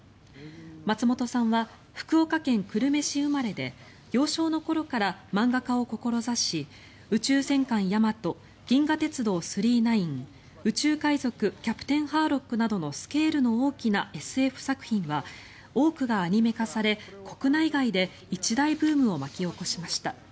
松本さんは福岡県久留米市生まれで幼少の頃から漫画家を志し「宇宙戦艦ヤマト」「銀河鉄道９９９」「宇宙海賊キャプテンハーロック」などのスケールの大きなＳＦ作品は多くがアニメ化され、国内外で一大ブームを巻き起こしました。